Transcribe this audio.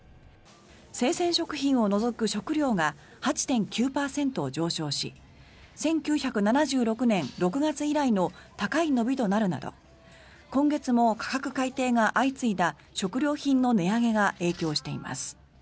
生鮮食品を除く食料が８．９％上昇し１９７６年６月以来の高い伸びとなるなど今月も価格改定が相次いだ食料品の値上げが影響しています。